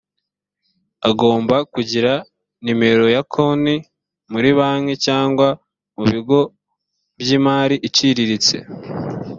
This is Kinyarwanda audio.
agomba kugira nimero ya konti muri banki cyangwa mu bigo by’imari icicriritse